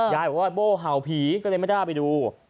ยายบอกว่าโบ้เห่าผีก็เลยไม่กล้าไปดู